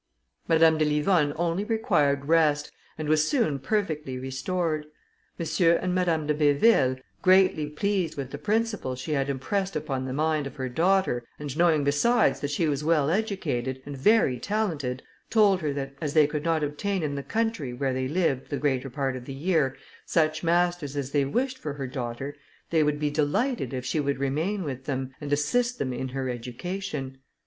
Madame de Livonne only required rest, and was soon perfectly restored. M. and Madame de Béville, greatly pleased with the principles she had impressed upon the mind of her daughter, and knowing besides that she was well educated, and very talented, told her that, as they could not obtain in the country, where they lived the greater part of the year, such masters as they wished for their daughter, they would be delighted if she would remain with them, and assist them in her education.